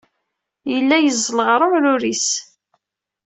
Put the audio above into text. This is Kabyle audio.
Yella yeẓẓel ɣer uɛrur-is.